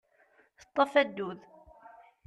Teṭṭef addud.